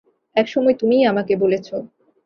এক সময় তুমিই আমাকে বলেছ।